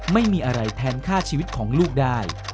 ไม่มีอะไรแทนค่าชีวิตของลูกได้